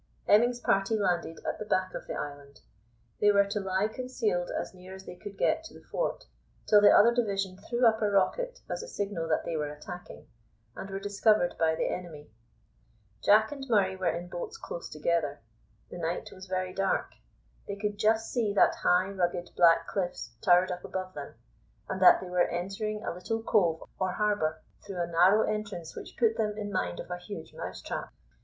Hemming's party landed at the back of the island. They were to lie concealed as near as they could get to the fort, till the other division threw up a rocket as a signal that they were attacking, and were discovered by the enemy. Jack and Murray were in boats close together. The night was very dark. They could just see that high, rugged, black cliffs towered up above them, and that they were entering a little cove or harbour, through a narrow entrance which put them in mind of a huge mouse trap.